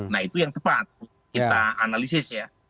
nah itu yang tepat kita analisis ya